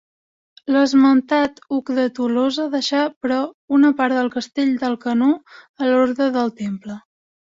L'esmentat Hug de Tolosa deixà però una part del castell d'Alcanó a l'Orde del Temple.